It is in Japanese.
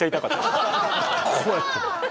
こうやって！